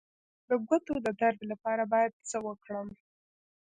د ګوتو د درد لپاره باید څه وکړم؟